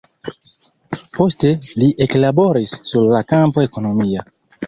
Poste li eklaboris sur la kampo ekonomia.